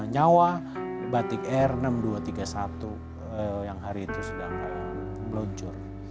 satu ratus empat puluh nyawa batik r enam ribu dua ratus tiga puluh satu yang hari itu sudah meluncur